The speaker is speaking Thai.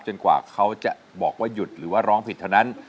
กว่าเขาจะบอกว่าหยุดหรือว่าร้องผิดเท่านั้น